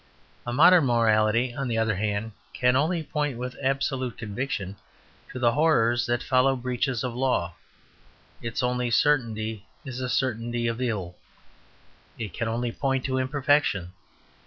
A modern morality, on the other hand, can only point with absolute conviction to the horrors that follow breaches of law; its only certainty is a certainty of ill. It can only point to imperfection.